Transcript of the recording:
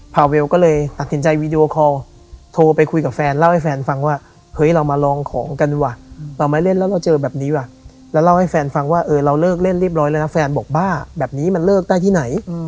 พาเวลก็เลยตัดสินใจวีดีโอคอลโทรไปคุยกับแฟนเล่าให้แฟนฟังว่าเฮ้ยเรามาลองของกันว่ะเราไม่เล่นแล้วเราเจอแบบนี้ว่ะแล้วเล่าให้แฟนฟังว่าเออเราเลิกเล่นเรียบร้อยแล้วนะแฟนบอกบ้าแบบนี้มันเลิกได้ที่ไหน